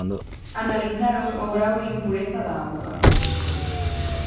Analizaron o grao de impureza da auga.